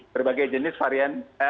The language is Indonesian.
berbagai jenis varian